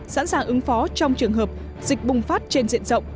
sẵn sàng ứng phó trong trường hợp dịch bùng phát trên diện rộng